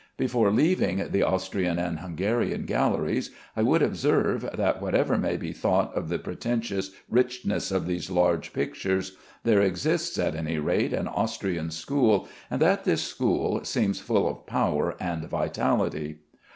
Before leaving the Austrian and Hungarian galleries, I would observe, that whatever may be thought of the pretentious richness of these large pictures, there exists at any rate an Austrian school, and that this school seems full of power and vitality.